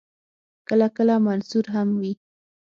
کله کله منثور هم وي.